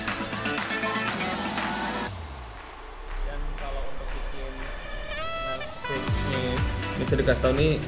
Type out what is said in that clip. sehingga semua crepes dan pastry cream habis